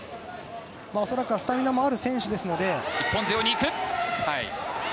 恐らくスタミナもある選手ですので。